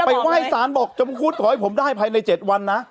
ไปไหว้ศาลบอกจมูกคุณถอยผมได้ภายใน๗วันนะ